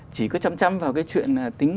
chỉ cứ chăm chăm vào cái chuyện tính